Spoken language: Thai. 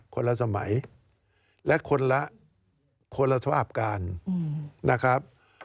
คนละสมัยและคนละคนละสภาพการนะครับ